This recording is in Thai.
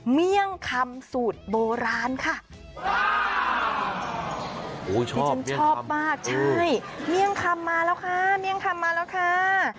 เมี่ยงคำสูตรโบราณค่ะโอ้ที่ฉันชอบมากใช่เมี่ยงคำมาแล้วค่ะเมี่ยงคำมาแล้วค่ะ